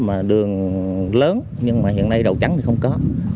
mà đường lớn nhưng mà hiện nay đầu chắn thì không có